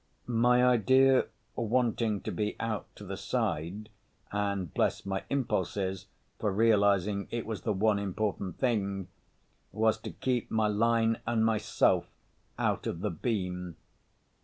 My idea wanting to be out to the side (and bless my impulses for realizing it was the one important thing!) was to keep my line and myself out of the beam.